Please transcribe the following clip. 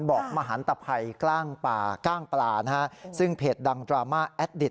บอกมหันตภัยกล้างปลาซึ่งเพจดังดราม่าแอดดิต